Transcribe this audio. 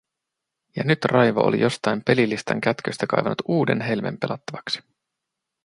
Ja nyt Raivo oli jostain pelilistan kätköistä kaivanut uuden helmen pelattavaksi.